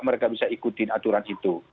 mereka bisa ikutin aturan itu